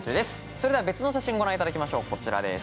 それでは別の写真ご覧いただきましょうこちらです。